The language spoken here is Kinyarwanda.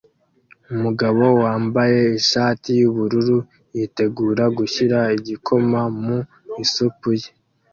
Umugabo wambaye ishati yubururu yitegura gushyira igikoma mu isupu ye